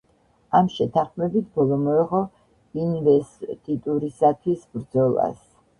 ამ შეთანხმებით ბოლო მოეღო ინვესტიტურისათვის ბრძოლას.